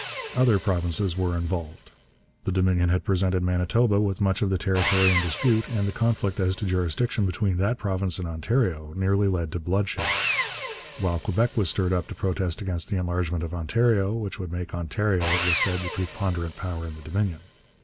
Other provinces were involved. The Dominion had presented Manitoba with much of the territory in dispute, and the conflict as to jurisdiction between that province and Ontario nearly led to bloodshed; while Quebec was stirred up to protest against the enlargement of Ontario, which would make Ontario, it was said, the preponderant power in the Dominion.